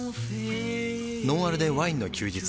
「ノンアルでワインの休日」